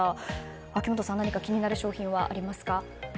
秋元さん、何か気になる商品はありますか？